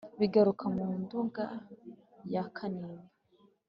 bigaruka mu nduga ya kanimba